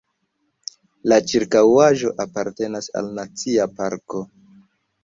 La ĉirkaŭaĵo apartenas al Nacia parko.